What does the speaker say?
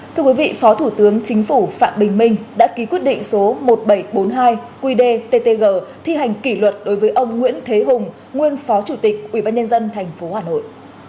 thưa quý vị phó thủ tướng chính phủ phạm bình minh đã ký quyết định số một nghìn bảy trăm bốn mươi hai qdttg thi hành kỷ luật đối với ông nguyễn thế hùng nguyên phó chủ tịch ubnd tp hà nội